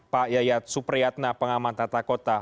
pak yayat supriyatna pengaman tata kota